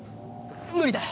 無理だ！